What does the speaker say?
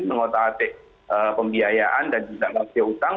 mengotak atik pembiayaan dan juga mengatik hutang